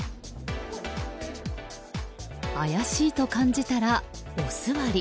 怪しいと感じたらおすわり。